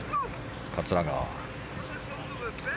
桂川。